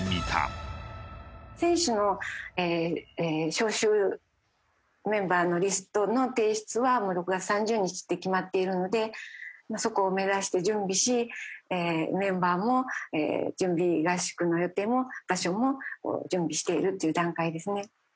選手の招集メンバーのリストの提出はもう６月３０日って決まっているのでそこを目指して準備しえーメンバーも準備合宿の予定も場所も準備しているっていう段階ですね。